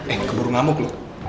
eh keburu ngamuk lu